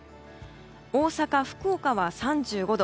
大阪、福岡は３５度。